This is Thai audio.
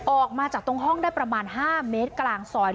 ออกมาจากตรงห้องได้ประมาณ๕เมตรกลางซอย